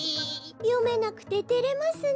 よめなくててれますね。